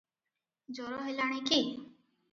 ଜର ହେଲାଣି କି?